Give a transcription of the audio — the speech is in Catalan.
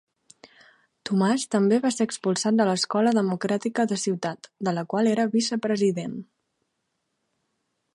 Tomàs també va ser expulsat de l'Escola Democràtica de Ciutat, de la qual era vicepresident.